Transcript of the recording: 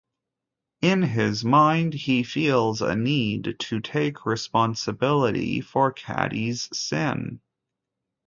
In his mind, he feels a need to take responsibility for Caddy's sin.